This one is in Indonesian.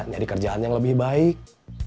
nyari kerjaan yang lebih baik